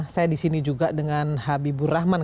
saya disini juga dengan habibur rahman